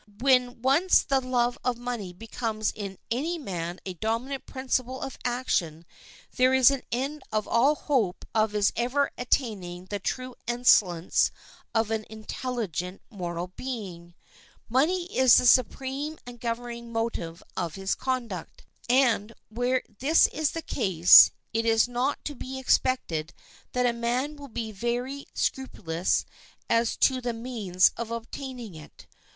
When once the love of money becomes in any man a dominant principle of action there is an end of all hope of his ever attaining the true excellence of an intelligent moral being. Money is the supreme and governing motive of his conduct, and, where this is the case, it is not to be expected that a man will be very scrupulous as to the means of obtaining it.